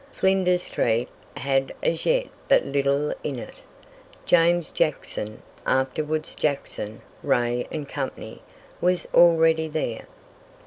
Flinders street had as yet but little in it. James Jackson, afterwards Jackson, Rae and Company, was already there.